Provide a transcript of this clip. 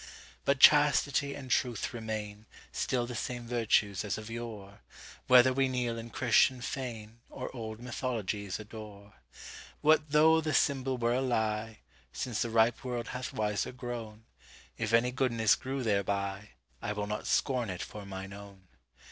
But chastity and truth remainStill the same virtues as of yore, Whether we kneel in Christian faneOr old mythologies adore. What though the symbol were a lie,—Since the ripe world hath wiser grown,—If any goodness grew thereby,I will not scorn it for mine own.